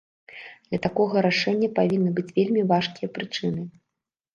Для такога рашэння павінны быць вельмі важкія прычыны.